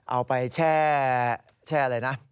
เอาไปแช่อะไรนะ